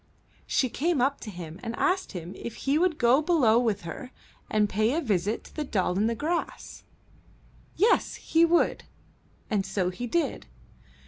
She came up to him and asked him if he would go below with her and pay a visit to the Doll i' the Grass. Yes, that he would; and so he did.